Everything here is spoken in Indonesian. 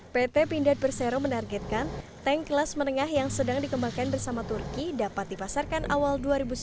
pt pindad persero menargetkan tank kelas menengah yang sedang dikembangkan bersama turki dapat dipasarkan awal dua ribu sembilan belas